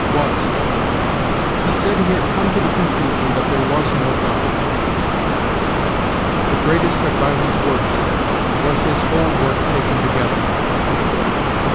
WAS. "He said he had come to the conclusion that there was no God." "The greatest of Byron's works was his whole work taken together."